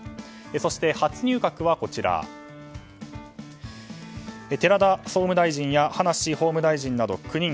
そして初入閣は寺田総務大臣や葉梨法務大臣など９人。